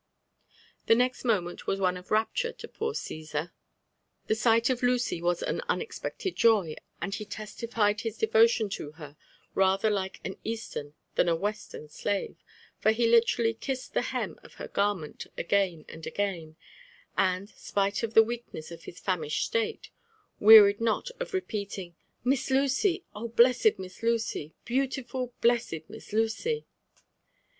The next moment was one of rapture to poor Cssar* , The sight of JONATHAN JEPFKftSON WHITLAW. lOt Luey WAS ttB uMxp6cC6d joy, Atid he testi&ed his d^roUon to her rather like an Eaatero than a Western slave, for he literally kissed the hem of her garmetil again and again, and, spite of the weakness of his famished slate, wearied not of repeating — "Miss Lucy I Oh, blessed Miss Lucy! Beautiful, blessed Hiss Lucy!"